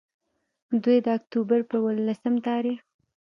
دوي د اکتوبر پۀ ولسم تاريخ